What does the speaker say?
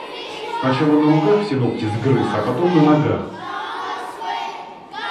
Сначала на руках все ногти сгрыз, а потом на ногах.